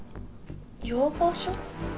要望書？